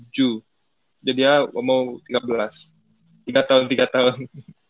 jadi ya gue mau tiga belas tiga tahun tiga tahun